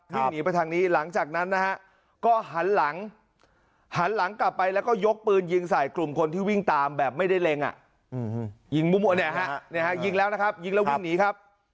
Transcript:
วิ่งหนีมาทางนี้หลังจากนั้นนะฮะ